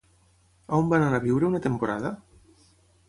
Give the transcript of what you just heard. On van anar a viure una temporada?